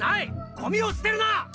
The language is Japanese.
ゴミを捨てるな！